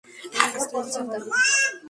ওই মাস্টারের চিন্তা আমার মাথায় ঘুরছে।